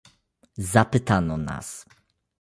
Zapytano nas